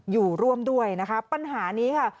อยู่ร่วมด้วยนะคะปัญหานี้ค่ะ